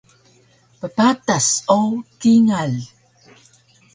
Ppatas o kingal